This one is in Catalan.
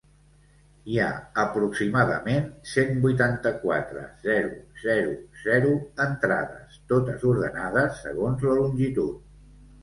Hi ha aproximadament cent vuitanta-quatre.zero zero zero entrades, totes ordenades segons la longitud.